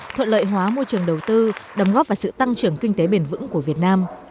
thuận lợi hóa môi trường đầu tư đồng góp vào sự tăng trưởng kinh tế bền vững của việt nam